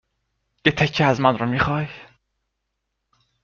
یه تکه از من رو میخای؟